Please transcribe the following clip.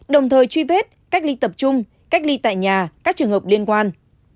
đồng thời truy vết cách ly tập trung cách ly tại nhà các trường hợp liên quan